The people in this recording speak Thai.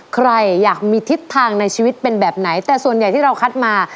ใครอยากมีทิศทางในชีวิตเป็นแบบไหนแต่ส่วนใหญ่ที่เราคัดมา